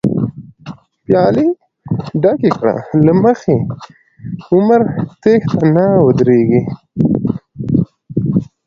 پيالی ډکې کړه له مخی، عمر تښتی نه ودريږی